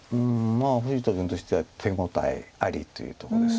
富士田君としては手応えありというとこです。